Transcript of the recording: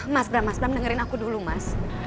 mas berang berang dengerin aku dulu mas